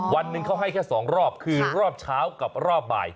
วันหนึ่งเขาให้แค่๒รอบคือรอบเช้ากับรอบบ่าย